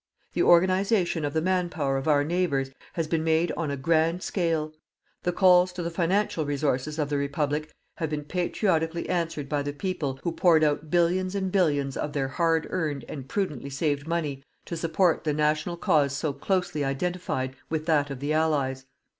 The organization of the man power of our neighbours has been made on a grand scale. The calls to the financial resources of the Republic have been patriotically answered by the people who poured out billions and billions of their hard earned and prudently saved money to support the national cause so closely identified with that of the Allies.